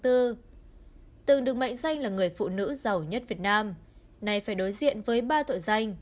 từng được mệnh danh là người phụ nữ giàu nhất việt nam này phải đối diện với ba tội danh